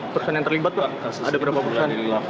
persen yang terlibat pak ada berapa persen